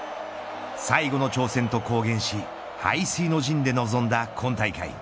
最後の挑戦と公言し背水の陣で臨んだ今大会。